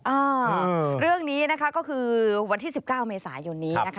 อ้าวเรื่องนี้ก็คือวันที่๑๙เมษายนนี้